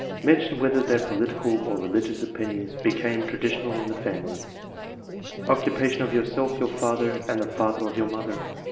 Mention whether their political or religious opinions became traditional in the family. Occupation of yourself, your father, and the father of your mother?